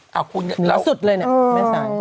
เหนือสุดเลยเนี่ย